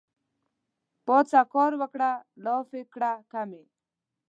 پاڅه کار وکړه لافې کړه کمې